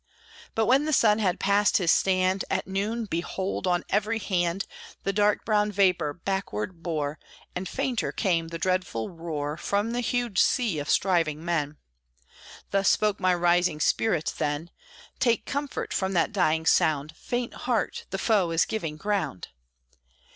But when the sun had passed his stand At noon, behold! on every hand The dark brown vapor backward bore, And fainter came the dreadful roar From the huge sea of striving men. Thus spoke my rising spirit then: "Take comfort from that dying sound, Faint heart, the foe is giving ground!"